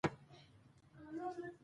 راځئ چې خپله ژبه نوره هم پیاوړې کړو.